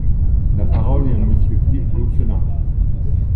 La parole est à Monsieur Philippe Gosselin.